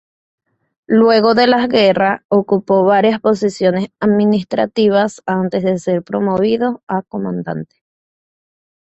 Luego de la guerra, ocupó varias posiciones administrativas antes de ser promovido a comandante.